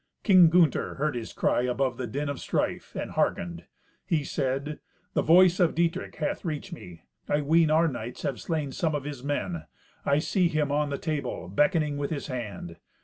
King Gunther heard his cry above the din of strife, and hearkened. He said, "The voice of Dietrich hath reached me. I ween our knights have slain some of his men. I see him on the table, beckoning with his hand.